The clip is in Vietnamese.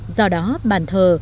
do đó bàn thờ